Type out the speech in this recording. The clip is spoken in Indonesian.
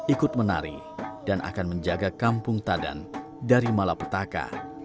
ikut menari dan akan menjaga kampung tadan dari malapetaka